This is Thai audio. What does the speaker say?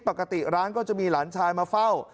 ปกติร้านก็จะมีหลานชายมาเฝ้า